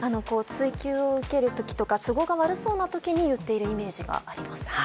追及を受ける時とか都合が悪そうなときに言っているイメージがあります。